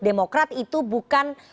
demokrat itu bukan